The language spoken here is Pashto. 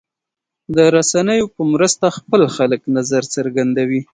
د رسنیو په مرسته خلک خپل نظر څرګندوي.